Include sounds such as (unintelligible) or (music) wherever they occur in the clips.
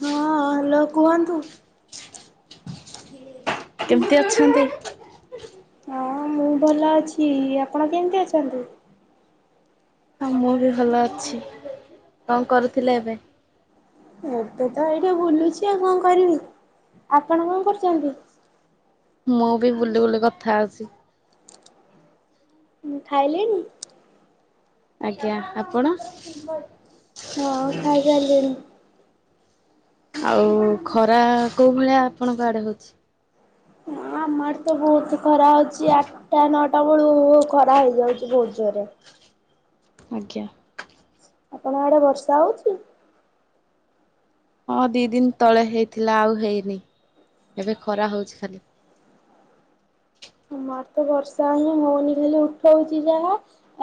ହଁ ହ୍ୟାଲୋ କୁହନ୍ତୁ। କେମିତି ଅଛନ୍ତି? ହଁ ମୁଁ ଭଲ ଅଛି ଆପଣ କେମିତି ଅଛନ୍ତି? ହଁ ମୁଁ ବି ଭଲ ଅଛି କଣ କରୁଥିଲି ଏବେ? ଏବେ ତ ଏଇଠି ବୁଲୁଛି ଆଉ କଣ କରିବି ଆପଣ କଣ କରୁଛନ୍ତି? ମୁଁ ବି ବୁଲି ବୁଲି କଥା ହଉଚି। ଖାଇଲେଣି। ଆଜ୍ଞା ଆପଣ? ହଁ ଖାଇ ସାରିଲିଣି। ଆଉ ଖରା କୋଉ ଭଳିଆ ଆପଣଙ୍କ ଆଡେ ହଉଛି। ହଁ ଆମ ଆଡେ ତ ବହୁତ। ଖରା ହଉଛି ଆଠଟା ନଅ ସେଟା ବେଳୁ ଖରା ହେଇଯାଉଛି ବହୁତ ଜୋରରେ। ଆଜ୍ଞା। ଆପଣଙ୍କ ଆଡେ ବର୍ଷା ହଉଛି? ହଁ ଦି ଦିନ ତଳେ ହେଇଥିଲା ଆଉ ହେଇନି ଏବେ ଖରା ହଉଛି ଖାଲି। ମର ତ ବର୍ଷା ହିଁ ହଉନି ଖାଲି ଉଠଉଛି ଯାହା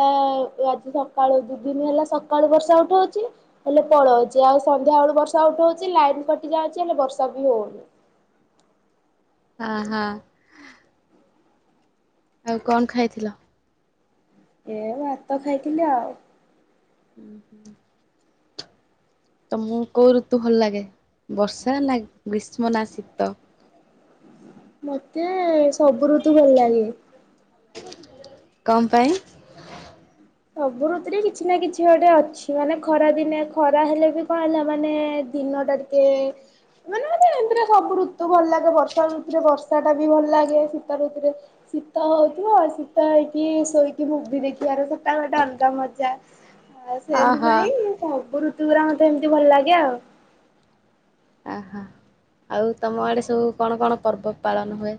ଏ ଆଜି ସକାଳୁ ଦି ଦିନ ହେଲା ସକାଳୁ ବର୍ଷା ଉଠଉଛି ହେଲେ ପଳଉଛି ଆଉ ସନ୍ଧ୍ୟା ବେଳୁ ବର୍ଷା ଉଠଉଛି ଲାଇନ କଟି ଯାଉଛି ହେଲେ ବର୍ଷା ବି ହଉନି। ହ ହଁ। ଆଉ କଣ ଖାଇଥିଲ? ଏ ଭାତ ଖାଇଥିଲି ଆଉ। ହୁଁ ହୁଁ। ତମୁ କୋଉ ଋତୁ ଭଲ ଲାଗେ ବର୍ଷା ନାଁ ଗ୍ରୀଷ୍ମ ନାଁ ଶୀତ? ମତେ ସବୁ ଋତୁ ଭଲ ଲାଗେ। କଁ ପାଇଁ? ସବୁ ଋତୁରେ କିଛି ନାଁ କିଛି ଗୋଟେ ଅଛି ମାନେ ଖରା ଦିନେ ଖରା ହେଲେ ବି କଣ ହେଲା ମାନେ ଦିନଟା ଟିକେ ମାନେ ମତେ ଏନ୍ତିରେ ସବୁ ଋତୁ ଭଲ ଲାଗେ ବର୍ଷା ଋତୁରେ ବର୍ଷାଟା ବି ଭଲ ଲାଗେ ଶୀତ ଋତୁରେ ଶୀତ ହଉଥୁବ ଶୀତ ହେଇକି ଶୋଇକି ମୁଭିି ଦେଖିବାର ତ ତା ଗୋଟେ ଅଲଗା ମଜା। ହଁ ଅହ। ସେଇଥିପାଇଁ ସବୁ ଋ ତୁରା ମତେ ଏମତି ଭଲ ଲାଗେ ଆଉ। ଆଃ ଆଉ ତମ ଆଡ଼େ ସବୁ କଣ କଣ ପର୍ବ ପାଳନ ହୁଏ?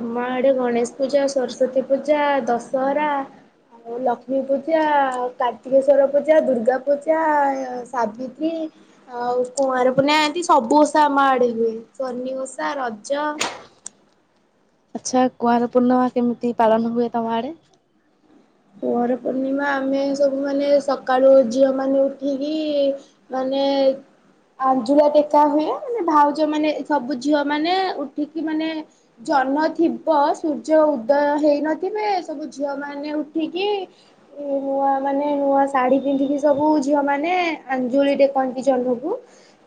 ଆମ ଆଡ଼େ ଗଣେଶ ପୂଜା ସରସ୍ଵତୀ ପୂଜା ଦଶହରା ଆଉ ଲକ୍ଷ୍ମୀ ପୂଜା ଆଉ କାର୍ତ୍ତିକେଶ୍ଵର ପୂଜା ଦୁର୍ଗା ପୂଜା ସାବିତ୍ରୀ ଆଉ କୁଆଁର ପୁନେଇ ଆଦି ସବୁ ଓଷା ଆମ ଆଡ଼େ ହୁଏ। ସନି ଓଷା ରଜ ଆଚ୍ଛା କୁଆଁର ପୂର୍ଣ୍ଣମା କେମିତି ପାଳନ ହୁଏ ତମ ଆଡ଼େ? କୁଆଁର ପୂର୍ଣ୍ଣିମା ଆମେ ସବୁ ମାନେ ସକାଳୁ ଝିଅମାନେ ଉଠିକି ମାନେ ଆଞ୍ଜୁଳା ଟେକା ହୁଏ ମାନେ ଭାଉଜମାନେ ସବୁ ଝିଅମାନେ ଉଠିକି ମାନେ ଜହ୍ନ ଥିବ ସୂର୍ଯ୍ୟ ଉଦୟ ହେଇନଥିବେ ସବୁ ଝିଅମାନେ ଉ ଉଠିକି ନୂଆ ମାନେ ନୂଆ ଶାଢୀ ପିନ୍ଧିକି ସବୁ ଝିଅମାନେ ଆଞ୍ଜୁଳି ଟେକନ୍ତି ଜହ୍ନକୁ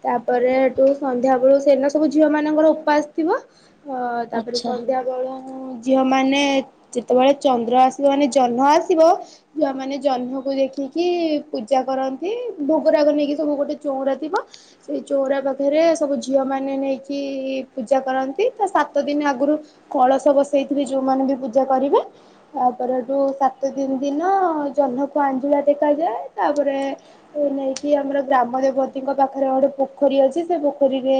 ତାପରେ ହେଠୁ ସନ୍ଧ୍ୟା ବେଳୁ ସେ ଦିନ ସବୁ ଝିଅମାନଙ୍କର ଓପାସ ଥିବ ହଁ ତାପରେ ଆଚ୍ଛା। ସନ୍ଧ୍ୟା ବେଳ ଉଁ ଝିଅମାନେ ଯେତବେଳେ ଚନ୍ଦ୍ର ଆସିବ ଆନେ ଜହ୍ନ ଆସିବ ଯୁଆମାନେ ଜହ୍ନକୁ ଦେଖିକି ପୂଜା କରନ୍ତି ଭୋଗରାଗ ନେଇକି ସବୁ ଗୋଟେ ଚୋଉଁରା ଥିବ ସେଇ ଚୋଉଁରା ପାଖରେ ସବୁ ଝିଅମାନେ ନେଇକି ପୂଜା କରନ୍ତି ତା ସାତ ଦିନି ଆଗୁରୁ କଳସ ବସେଇଥିବେ ଯୋଉମାନେ ବି ପୂଜା କରିବେ। ତାପରେ ରୁ ସାତ ଦିନି ଦିନ ଜହ୍ନକୁ ଆଞ୍ଜୁଳା ଟେକାଯାଏ ତାପରେ ନେଇକି ଆମର ଗ୍ରାମ ଦେବତୀଙ୍କ ପାଖରେ ଗୋଟେ ପୋଖରୀ ଅଛି ସେ ପୋଖରୀରେ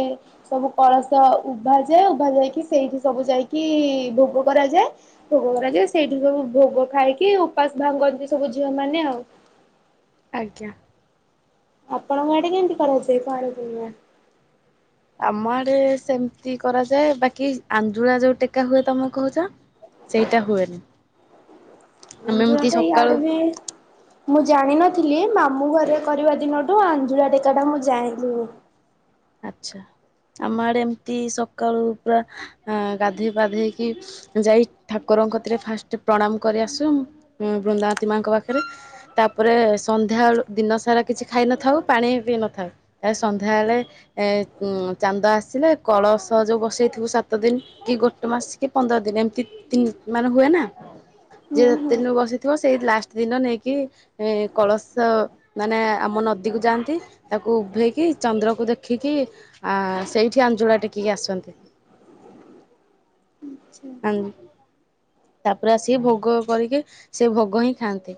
ସବୁ କଳସ ଉଭାଯାଏ ଉଭା ଯାଇକି ସେଇଠି ସବୁ ଯାଇକି ଭୋଗ କରାଯାଏ ଭୋଗ କରାଯାଏ ସେଇଠି ସବୁ ଭୋଗ ଖାଇକି ଉପାସ ଭାଙ୍ଗନ୍ତି ସବୁ ଝିଅମାନେ ଆଉ। ଆଜ୍ଞା‌। ଆପଣଙ୍କ ଆଡ଼େ କେନ୍ତି କରାଯାଏ କୁଆଁର ପୁର୍ଣିମା? ଆମ ଆଡ଼େ ସେମତି କରାଯାଏ ବାକି ଆଞ୍ଜୁଳା ଯୋଉ ଟେକା ହୁଏ ତମେ କୋହୁଚ ସେଇଟା ହୁଏନି। ଆମେ ଏମିତି ଆଞ୍ଜୁଳାଟା ସକାଳୁ ଇଆଡ଼େ ବି ମୁଁ ଜାଣିନଥିଲି ମାମୁଁ ଘରେ କରିବା ଦିନ ଠୁ ଆଞ୍ଜୁଳା ଟେକାଟା ମୁଁ ଯାଣିଲିଣି। ଆଚ୍ଛା ଆମ ଆଡ଼େ ଏମତି ସକାଳୁ ପୁରା ଅଁ ଗାଧେଇ ପାଧେଇକି ଯାଇ ଠାକୁରଙ୍କ କତିରେ ଫାଷ୍ଟ ପ୍ରଣାମ କରି ଆସୁ ଉଁ ବୃନ୍ଦାବତୀ ମାଙ୍କ ପାଖରେ ତାପରେ ସନ୍ଧ୍ୟାଅଳୁ ଦିନ ସାରା କିଛି ଖାଇନଥାଉ ପାଣି ପିଇ ନଥାଉ ଏ ସନ୍ଧ୍ୟାଏଳେ ଏ ଉଁ ଚାନ୍ଦ ଆସିଲେ କଳସ ଯୋଉ ବସେଇଥିବୁ ସାତ ଦିନ କି ଗୋଟେ ମାସ କି ପନ୍ଦର ଦିନ ଏମତି ତି ମାନେ ହୁଏ ନାଁ ଯିଏ ହୁଁ ଯେତେ ହୁଁ ଦିନରୁ ବସିଥିବ ସେଇ ଲାଷ୍ଟ ଦିନ ନେଇକି ଏ କଳସ ମାନେ ଆମ ନଦୀକୁ ଯାଆନ୍ତି ତାକୁ ଉଭେଇକି ଚନ୍ଦ୍ରକୁ ଦେ ଖିକି ଆ ସେଇଠି ଆଞ୍ଜୁଳା ଟେକିକି ଆସନ୍ତି। ଆଁ ତାପରେ ଆସିକି ଭୋଗ କରିକି ସେଇ ଭୋଗ ହିଁ ଖାଆନ୍ତି।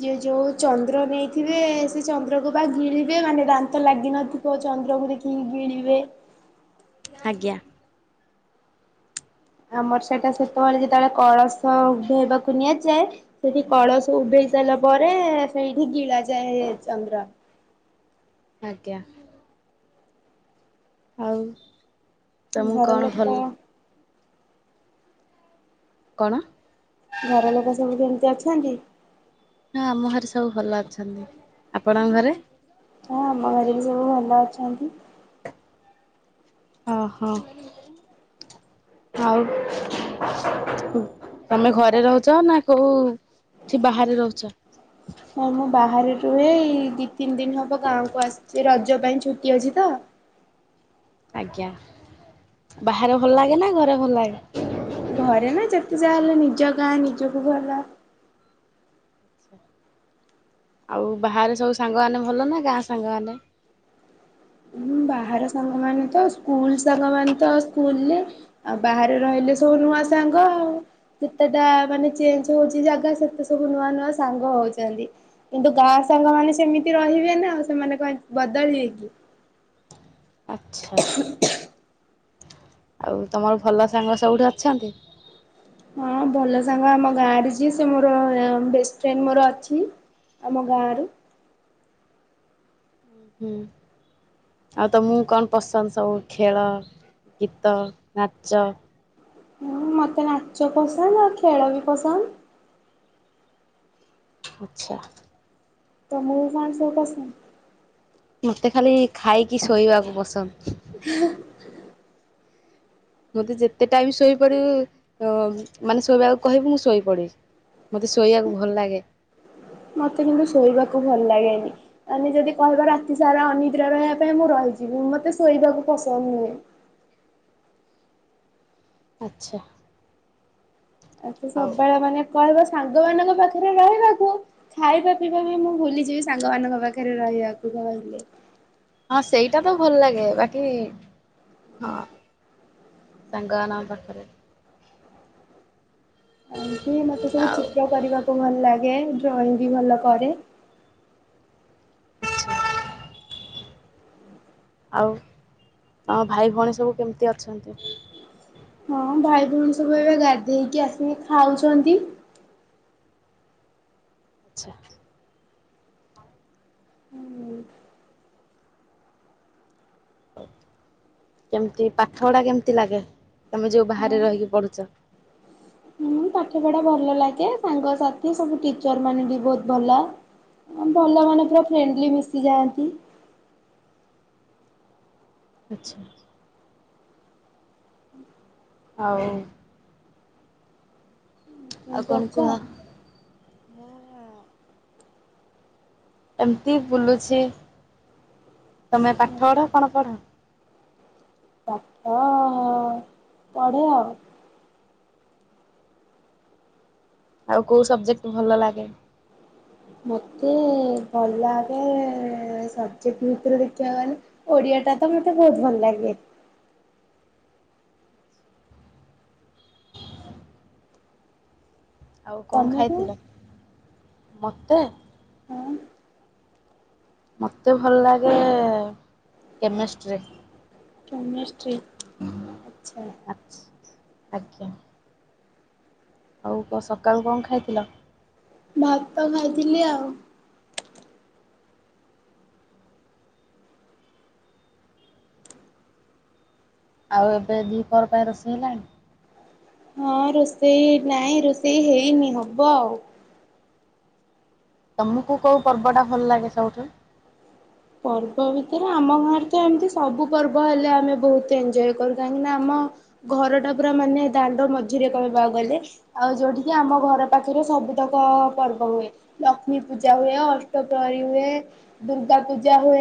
ଯିଏ ଯୋଉ ଚନ୍ଦ୍ର ନେଇଥିବେ ସେ ଚନ୍ଦ୍ରକୁ ବା ଗିଳିବେ ମାନେ ଦାନ୍ତ ଲାଗିନଥିବ ଚନ୍ଦ୍ରକୁ ଦେଖିକି ଗିଳିବେ। ଆଜ୍ଞା। ଆମର ସେଟା ସେତୋଳେ ଯେତୋଳେ କଳସ ତ ଉଭେଇବାକୁ ନିଆଯା ଯାଏ ସେଠି କଳସ ଉଭେଇ ସାଇଲା ପରେ ସେଇଠି ଗିଳା ଯାଏ ଚନ୍ଦ୍ର। ଆଜ୍ଞା। ଆଉ ତମୁକୁ ଘର କଣ ଭଲ୍ ଲୋକ କଣ? ଘର ଲୋକ ସବୁ କେମତି ଅଛନ୍ତି? ହଁ ଆମ ଘରେ ସବୁ ଭଲ ଅଛନ୍ତି। ଆପଣଙ୍କ ଘରେ? ହଁ ଆମ ଘରେ ବି ସବୁ ଭଲ ଅଛ ଅନ୍ତି। ଅହ ଆଉ ତମେ ଘରେ ରହୁଚ ନାଁ କୋଉ ଠି ବାହାରେ ରହୁଚ? ହଁ ମୁଁ ବାହାରେ ରୁଏ ଏଇ ଦି ତିନି ଦିନ ହବ ଗାଁକୁ ଆସିଛି ରଜ ଜ ପାଇଁ ଛୁଟି ଅଛି ତ ଆଜ୍ଞା ବାହାରେ ଭଲ ଲାଗେ ନା ଘରେ ଭଲ ଲାଗେ? ଘରେ ନା ଯେତେ ଯାହା ହେଲେ ନିଜ ଗାଁ ନିଜକୁ ଭଲ। ଆଉ ବାହାରେ ସବୁ ସାଙ୍ଗ ମେନେ ଭଲ ନା ଗାଁ ସାଙ୍ଗ ମାନେ? ବାହାର ସାଙ୍ଗମାନୋନ ତ ସ୍କୁଲ ସାଙ୍ଗମାନୋନ ତ ସ୍କୁଲରେ ଆଉ ବାହାରେ ରହିଲେ ସବୁ ନୂଆ ସାଙ୍ଗ ଆଉ ଯେତେଟା ମାନେ ଚେଞ୍ଜ ହଉଛି ଜାଗା ସେତେ ସବୁ ନୂଆ ନୂଆ ସାଙ୍ଗ ହଉଛନ୍ତି କିନ୍ତୁ ଗାଁ ସାଙ୍ଗ ମାନ ସେମିତି ରହିବେ ନା ସେମାନେ କ ବଦଳିବେ କି ଆଚ୍ଛା ଆଉ ତମର ଭଲ ସାଙ୍ଗ ସବୁଠି ଅଛନ୍ତି। ହଁ ଭଲ ସାଙ୍ଗ ଆମ ଗାଁରେ ଯି ସେ ମୋର ବେଷ୍ଟ ଫ୍ରେଣ୍ଡ ମୋର ଅଛି ଆମ ଗାଁ ର ହୁଁ ଆଉ ତ ମୁଁ କଣ ପସନ୍ଦ ସବୁ ଖେଳ ଗୀତ ନାଚ ହଁ ମତେ ନାଚ ପସନ୍ଦ ଆଉ ଖେଳ ବି ପସନ୍ଦ। ଆଚ୍ଛା। ତ ମୁଳ ଫଣ ସଟସ ମତେ ଖାଲି ଖାଇକି ଶୋଇବାକୁ ପସନ୍ଦ। (unintelligible) ମୋତେ ଯେତେ ଟାଇମ ଶୋଇପଡ଼ିବୁ ମାନେ ଶୋଇବାକୁ କହିବୁ ମୁଁ ଶୋଇପଡ଼ିବି ମୋତେ ଶୋଇବାକୁ ଭଲ ଲାଗେ। ମତେ କିନ୍ତୁ ଶୋଇବାକୁ ଭଲ ଲାଗେନି ମାନେ ଯଦି କହିବା ରାତି ସାରା ଅନିଦ୍ରା ରହିବା ପାଇଁ ମୁଁ ରହିଛିିବି ମତେ ଶୋଇବାକୁ ପସନ୍ଦ ନୁହେଁ। ଆଚ୍ଛା। ଆଛ ସବୁବେଳେ ମାନେ କ ବ ସାଙ୍ଗ ମାନଙ୍କ ପାଖରେ ରହିବାକୁ ଖାଇବା ପିଇବା ବି ମୁଁ ଭୁଲିଯିବି ସାଙ୍ଗ ମାନଙ୍କ ପାଖରେ ରହିବାକୁ କହିଲେ ହଁ ସେଇଟା ତ ଭଲ ଲାଗେ ବାକି ହଁ ସାଙ୍ଗମାନଙ୍କ ପାଖରେ ଏ ମତେ ସବୁ ଚିତ୍ର କରିବାକୁ ଭଲ ଲାଗେ। ଆ ଡ୍ରଇଂ ବି ଭଲ କରେ। ଆଚ୍ଛା ଆଉ ତମ ଭାଇ ଭଉଣୀ ସବୁ କେମିତି ଅଛନ୍ତି। ହଁ ଭାଇ ଭଉଣୀ ସବୁ ଏବେ ଗାଧେଇକି ଆସି ଖାଉଛନ୍ତି। ଆଚ୍ଛା। ହୁଁ। କେମିତି ପାଠ ପଢା କେମିତି ଲାଗେ ତମେ ଯୋଉ ବାହାରେ ହଁ ରହିକି ପଢୁଛ। ପାଠ ପଢା ଭଲ ଲାଗେ ସାଙ୍ଗସାଥି ସବୁ ଟିଚର ମାନେ ବି ବହୁତ ଭଲ ଭଲ ମାନ ପୁରା ଫ୍ରେଣ୍ଡଲି ମିଶିଯାଆନ୍ତି। ଆଚ୍ଛା। ଆଉ ଏମିତି ଅଛ ଆଉ। ଆଖଙ୍କୁହା। ମୂର ଏମିତି ବୁଲୁଛି। ତମେ ପାଠ ପଢ କଣ ପଢ? ପାଠ ପଢେ ଆଉ। ଆଉ କୋଉ ସବଜେକ୍ଟ ଭଲ ଲାଗେ? ମତେ ଭଲ ଲାଗେ ସବଜକ୍ଟ ଭିତରେ ଦେଖିବାକୁ ଗଲେ ଓଡିଆ ଟା ତ ମତେ ବହୁତ ଭଲ ଲାଗେ। ଆଉ କଣ ତମକୁ? ଖାଇଥିଲ? ମତେ ହଁ ମୋତେ ଭଲ ଲାଗେ କେମିଷ୍ଟ୍ରିରେ ସମ ଆଚ୍ଛା। ଆଚ୍ଛା। ଆଜ୍ଞା। ଆଉ କ ସକାଳୁ କଣ ଖାଇଥିଲ? ଭାତ ଖାଇଥିଲି ଆଉ। ଆଉ ଏବେ ଦି ପହର ପାଇଁ ରୋଷେଇ ହେଲାଣି? ହଁ ରୋଷେଇ ନାଇଁ ରୋଷେଇ ହେଇନି ହବ ଆଉ। ତମକୁ କୋଉ ପର୍ବ ଟା ଭଲ ଲାଗେ ସବୁଠୁ? ପର୍ବ ଭିତରେ ଆମ ଗାଁରେ ତ ଏମିତି ସବୁ ପର୍ବ ହେଲେ ଆମେ ବହୁତ ଏନଜୟ କରୁ। କାହିଁକିନା ଆମ ଘରଟା ପୁରା ମାନେ ଦାଣ୍ଡ ମଝିରେ କହିବାକୁ ଗଲେ ଆଉ ଯୋଉଠିକି ଆମ ଘର ପାଖରେ ସବୁତକ ପର୍ବ ହୁଏ ଲକ୍ଷ୍ମୀ ପୂଜା ହୁଏ, ଅଷ୍ଟପ୍ରହରୀ ହୁଏ, ଦୁର୍ଗା ପୂ ଜା ହୁଏ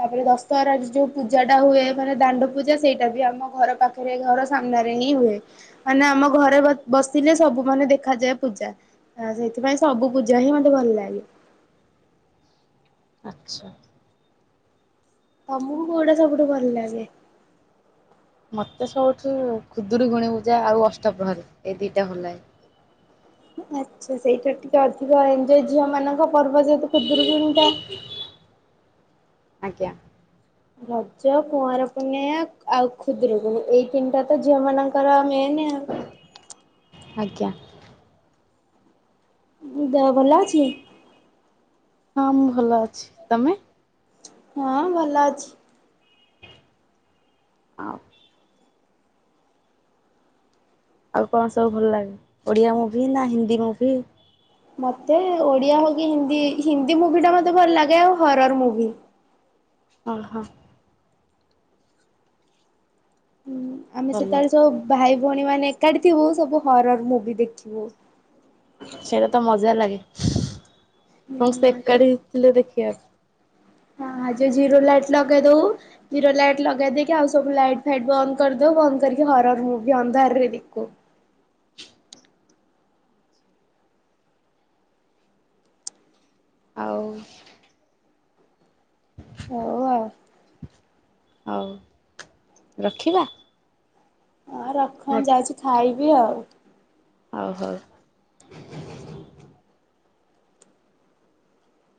ତାପରେ ଦଶହରା ରେ ଯୋଉ ପୂଜା ଟା ହୁଏ ମାନେ ଦାଣ୍ଡ ପୂଜା ସେଇଟା ବି ଆମ ଘର ପାଖରେ ଘର ସାମ୍ନାରେ ହିଁ ହୁଏ ମାନେ ଆମ ଘରେ ବସିଲେ ସବୁ ମାନେ ଦେଖାଯାଏ ପୂଜା ସେଇଥିପାଇଁ ସବୁ ପୂଜା ହିଁ ମତେ ଭଲ ଲାଗେ। ଆଚ୍ଛା ତମୁକୁ କୋଉଟା ସବୁଠୁ ଭଲ ଲାଗେ? ମତେ ସବୁଠୁ ଖୁଦୁରୁକୁଣୀ ପୂଜା ଆଉ ଅଷ୍ଟପ୍ରହରୀ ଏଇ ଦି ଟା ଭଲ ଲାଗେ। ଆଚ୍ଛା ସେଇଟା ଟିକେ ଅଧିକ ଏନଜୟ ଝିଅ ମାନଙ୍କ ପର୍ବ ଯେହେତୁ ଖୁଦୁରୁକୁଣୀ ଟା ଆଜ୍ଞା ରଜ କୁଆଁର ପୂଣିଆ ଆଉ ଖୁଦୁରୁକୁଣୀ ଏଇ ତିନିଟା ତ ଝିଅ ମାନଙ୍କର ମେନେ ଆଉ। ଆଜ୍ଞା ଉ ଦେହ ଭଲ ଅଛି? ହଁ ମୁଁ ଭଲ ଅଛି ତମେ? ହଁ ଭଲ ଅଛି। ଆଉ ଆଉ କଣ ସବୁ ଭଲ ଲାଗେ ଓଡ଼ିଆ ମୁଭି ନା ହିନ୍ଦୀ ମୁଭି? ମତେ ଓଡ଼ିଆ ହଉ କି ହିନ୍ଦୀ ହିନ୍ଦୀ ମୁଭି ଟା ମତେ ଭଲ ଲାଗେ ଆଉ ହରର ମୁଭି। ଓ ହ ଆମେ ଭଲ ସେତେବେଳେ ସବୁ ଭାଇ ଭଉଣୀ ମାନେ ଏକାଠି ଥିବୁ ସବୁ ହରର ମୁଭି ଦେଖିବୁ। ସେଇଟା ତ ମଜା ଲାଗେ। ସମସ୍ତେ ଏକାଠି ଥିଲେ ଦେଖିବାକୁ। ହଁ ଆଉ ଯୋଉ ଜିରୋ ଲାଇଟ ଲଗେଇ ଦଉ ଜିରୋ ଲାଇଟ ଲଗେଇ ଦେଇକି ଆଉ ସବୁ ଲାଇଟ ଫାଇଟ ବନ୍ଦ କରି ଦଉ ବନ୍ଦ କରିକି ହରର ମୁଭି ଅନ୍ଧାରରେ ଦେଖୁ। ଆଉ ହଉ ଆଉ ହଉ ରଖିବା? ହଁ ରଖନ ଯାଉଛି ଖାଇ ବି ଆଉ ହଉ ହଉ